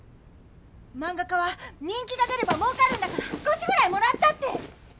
マンガ家は人気が出ればもうかるんだから少しぐらいもらったって。